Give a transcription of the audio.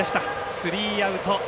スリーアウト。